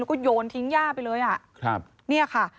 แล้วก็โยนทิ้งย่าไปเลยอ่ะครับเนี่ยค่ะ